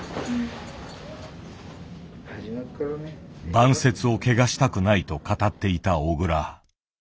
晩節を汚したくないと語っていた小倉。